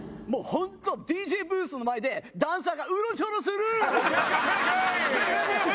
もうホントＤＪブースの前でダンサーがうろちょろする！